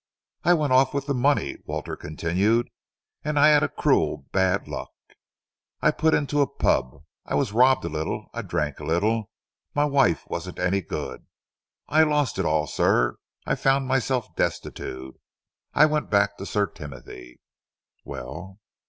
"I went off with the money," Walter continued, "and I had cruel bad luck. I put it into a pub. I was robbed a little, I drank a little, my wife wasn't any good. I lost it all, sir. I found myself destitute. I went back to Sir Timothy." "Well?"